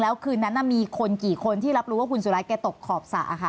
แล้วคืนนั้นมีคนกี่คนที่รับรู้ว่าคุณสุรัตนแกตกขอบสระค่ะ